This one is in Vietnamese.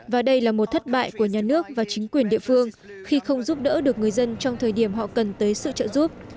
và đây là một thất bại của nhà nước và chính quyền địa phương khi không giúp đỡ được người dân trong thời điểm họ cần tới sự trợ giúp